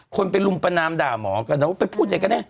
คนไปลุมประนามด่าหมอก็บอกไปพูดอย่างนี้